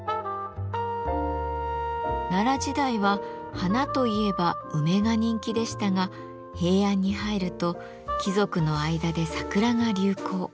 奈良時代は花といえば梅が人気でしたが平安に入ると貴族の間で桜が流行。